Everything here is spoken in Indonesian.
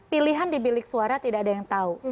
pilihan di bilik suara tidak ada yang tahu